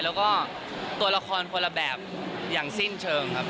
แล้วก็ตัวละครคนละแบบอย่างสิ้นเชิงครับ